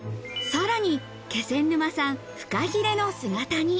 さらに気仙沼産フカヒレの姿煮。